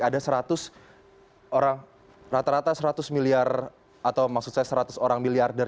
ada seratus orang rata rata seratus miliar atau maksud saya seratus orang miliarder